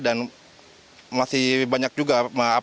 dan masih banyak juga